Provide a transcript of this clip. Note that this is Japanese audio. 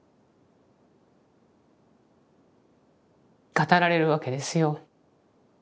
語られるわけですよ。